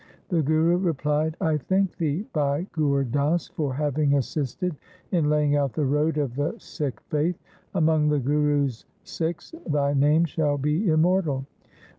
The Guru replied, ' I thank thee, Bhai Gur Das, for having assisted in laying out the road of the Sikh faith. Among the Gurus' Sikhs thy name shall be immortal.'